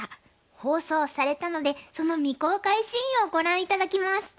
放送されたのでその未公開シーンをご覧頂きます。